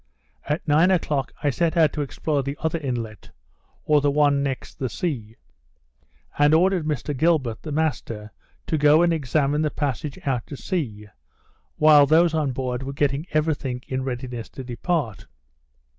At nine o'clock I set out to explore the other inlet, or the one next the sea; and ordered Mr Gilbert, the master, to go and examine the passage out to sea, while those on board were getting every thing in readiness to depart.